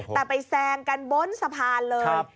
แต่ไปแซงกันบนสะพานเลย